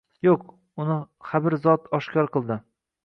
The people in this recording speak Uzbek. Yo‘q – uni Xabir Zot oshkor qildi.